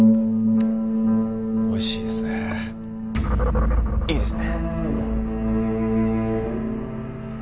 おいしいですねいいですね